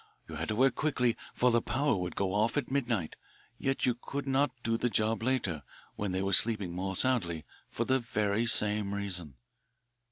You had to work quickly, for the power would go off at midnight, yet you could not do the job later, when they were sleeping more soundly, for the very same reason."